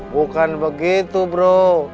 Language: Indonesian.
bukan begitu bro